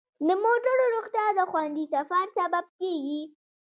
د موټرو روغتیا د خوندي سفر سبب کیږي.